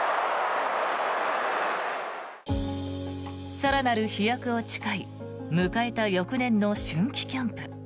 更なる飛躍を誓い迎えた翌年の春季キャンプ。